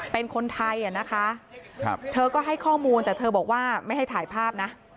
เป็นคนไทยอ่ะนะคะเธอก็ให้ข้อมูลแต่เธอบอกว่าไม่ให้ถ่ายภาพนะ